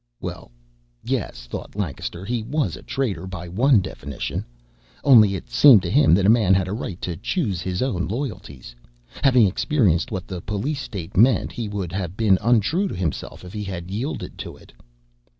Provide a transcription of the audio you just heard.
Well, yes, thought Lancaster, he was a traitor, by one definition. Only it seemed to him that a man had a right to choose his own loyalties. Having experienced what the police state meant, he would have been untrue to himself if he had yielded to it.